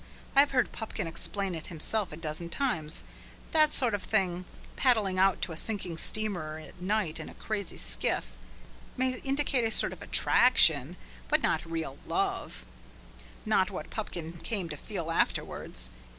I've heard Pupkin explain it himself a dozen times. That sort of thing, paddling out to a sinking steamer at night in a crazy skiff, may indicate a sort of attraction, but not real love, not what Pupkin came to feel afterwards.